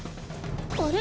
あれ？